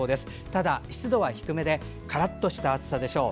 ただ湿度は低めでカラッとした暑さでしょう。